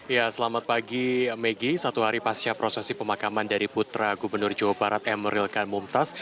ya selamat pagi maggie satu hari pasca prosesi pemakaman dari putra gubernur jawa barat emeril kan mumtaz